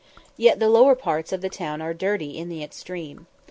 Yet the lower parts of the town are dirty in the extreme.